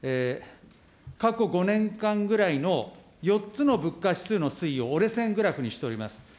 過去５年間ぐらいの４つの物価指数の推移を折れ線グラフにしております。